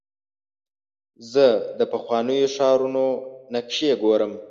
زه د پخوانیو ښارونو نقشې ګورم.